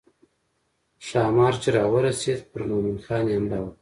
ښامار چې راورسېد پر مومن خان یې حمله وکړه.